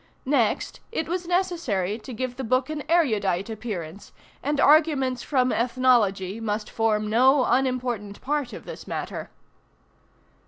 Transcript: Next, it was necessary to give the book an erudite appearance, and arguments from ethnology must form no unimportant part of this matter.